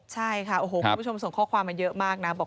ใช่ค่ะโอ้โหคุณผู้ชมส่งข้อความมาเยอะมากนะบอก